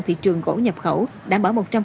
thị trường gỗ nhập khẩu đã bỏ một trăm linh